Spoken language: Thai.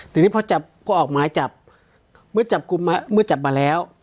ทีนี้พอจับก็ออกหมายจับเมื่อจับกลุ่มมาเมื่อจับมาแล้ว